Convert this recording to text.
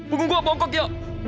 punggungku sampai ke moong